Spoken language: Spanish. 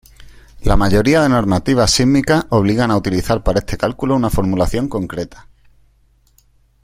La mayoría de normativas sísmicas obligan a utilizar para este cálculo una formulación concreta.